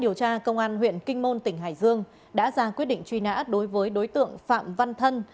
điều tra công an huyện kinh môn tỉnh hải dương đã ra quyết định truy nã đối với đối tượng phạm văn thân